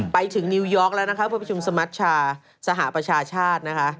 ไปถึงนิวยอร์กแล้วนะคะประชุมสมัชชาสหประชาชาตินะคะ